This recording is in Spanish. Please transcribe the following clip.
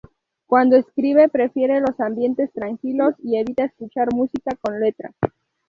Cuando escribe prefiere los ambientes tranquilos y evita escuchar música con letra.